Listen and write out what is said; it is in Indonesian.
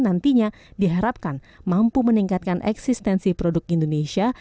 nantinya diharapkan mampu meningkatkan eksistensi produk indonesia